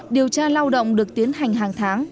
điều tra lao động được tiến hành hàng tháng